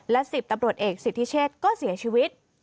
และ๑๐ตำรวจเอกสิทธิเชษก็เสียชีวิต